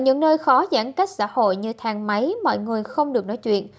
những nơi khó giãn cách xã hội như thang máy mọi người không được nói chuyện